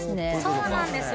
そうなんですよ。